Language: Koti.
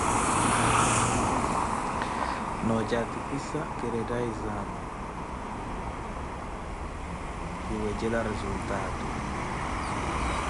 Noocatikhisa kiretta izame kisala kiwecela resultaatu.